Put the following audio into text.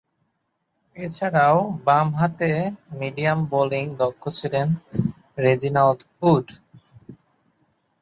এছাড়াও, বামহাতে medium bowling দক্ষ ছিলেন রেজিনাল্ড উড।